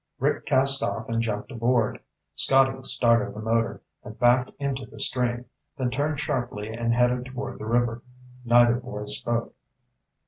Rick cast off and jumped aboard. Scotty started the motor and backed into the stream, then turned sharply and headed toward the river. Neither boy spoke.